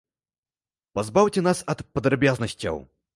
Пазбаўце нас ад падрабязнасцяў!